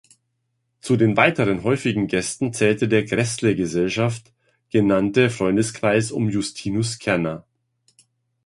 Zu den weiteren häufigen Gästen zählte der Gräßle-Gesellschaft genannte Freundeskreis um Justinus Kerner.